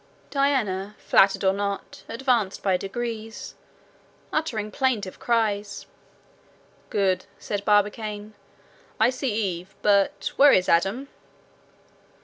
Diana, flattered or not, advanced by degrees, uttering plaintive cries. "Good," said Barbicane: "I see Eve, but where is Adam?"